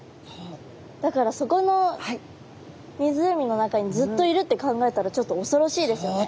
だからそこの湖の中にずっといるって考えたらちょっとおそろしいですよね。